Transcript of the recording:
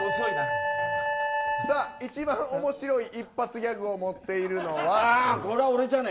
１番面白い一発ギャグを持っているのは。